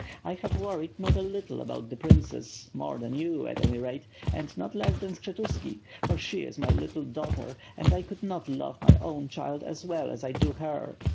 I have worried not a little about the princess, more than yon, at any rate, and not less than Skshetuski; for she is my little daughter, and 1 could not love my own child as well as I do her.